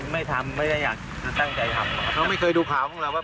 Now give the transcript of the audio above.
ไม่ทำไม่ได้อยากตั้งใจทำเขาไม่เคยดูข่าวของเราว่า